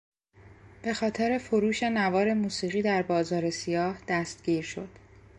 به خاطر فروش نوار موسیقی در بازار سیاه دستگیر شد.